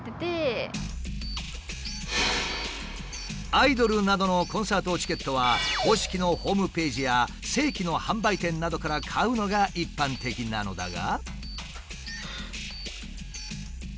アイドルなどのコンサートチケットは公式のホームページや正規の販売店などから買うのが一般的なのだが。